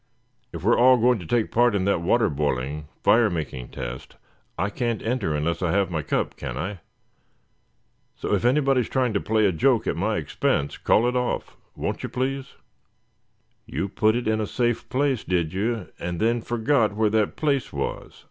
If we're all going to take part in that water boiling, fire making test I can't enter unless I have my cup, can I? So if anybody's trying to play a joke at my expense, call it off, won't you, please?" "You put it in a safe place, did you, and then forgot where that place was?"